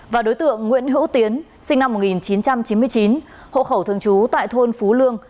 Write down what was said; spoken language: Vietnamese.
và đối tượng nguyễn hữu tiến sinh năm một nghìn chín trăm chín mươi chín hộ khẩu thường trú tại thôn phú lương